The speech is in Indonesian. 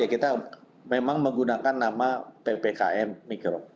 kita memang menggunakan nama ppkm mikro